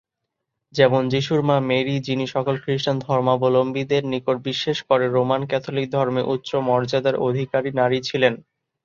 যেমন যীশুর মা মেরি যিনি সকল খ্রিস্টান ধর্মাবলম্বীদের নিকট বিশেষ করে রোমান ক্যাথলিক ধর্মে উচ্চ মর্যাদার অধিকারী নারী ছিলেন।